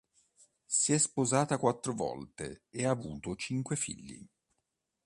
Si è sposata quattro volte e ha avuto cinque figli.